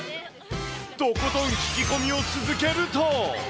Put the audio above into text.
とことん聞き込みを続けると。